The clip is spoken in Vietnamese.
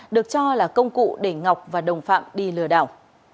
được cho là công cụ để ngọc và đồng phạm đi lừa đảo